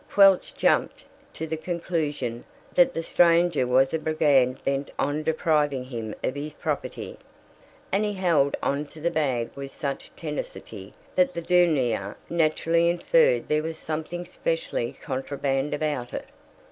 Quelch jumped to the conclusion that the stranger was a brigand bent on depriving him of his property, and he held on to the bag with such tenacity that the douanier naturally inferred there was something specially contraband about it.